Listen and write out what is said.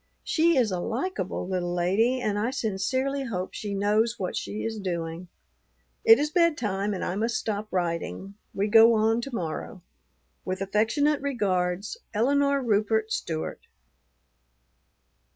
She is a likable little lady, and I sincerely hope she knows what she is doing. It is bedtime and I must stop writing. We go on to morrow. With affectionate regards, ELINORE RUPERT STEWART.